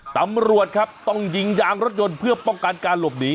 ตำรวจครับต้องยิงยางรถยนต์เพื่อป้องกันการหลบหนี